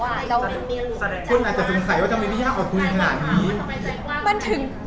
คุณอาจจะสงสัยว่าจะมีที่ยากออกคุยขนาดนี้